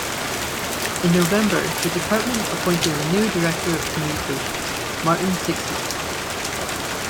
In November the department appointed a new Director of Communications, Martin Sixsmith.